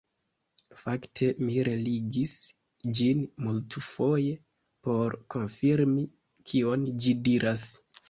Fakte mi relegis ĝin multfoje por konfirmi kion ĝi diras.